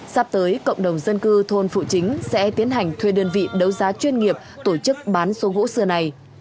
sắp tới cộng đồng dân cư thôn phụ chính sẽ tiến hành thuê đơn vị đấu giá chuyên nghiệp tổ chức bán số gỗ xưa này